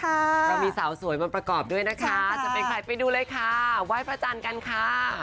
เรามีสาวสวยมาประกอบด้วยนะคะจะเป็นใครไปดูเลยค่ะไหว้พระจันทร์กันค่ะ